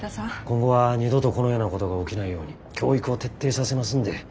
今後は二度とこのようなことが起きないように教育を徹底させますんで。